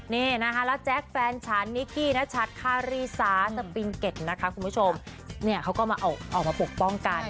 นี่นะคะแล้วแจ๊คแฟนชันนิกกี้นัชัทฮาริซ้าสปิงเก็ตเค้าก็มาเอามาปกป้องกัน